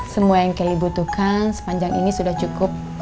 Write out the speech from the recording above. semua yang kelly butuhkan sepanjang ini sudah cukup